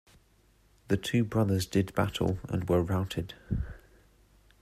The two brothers did battle and were routed.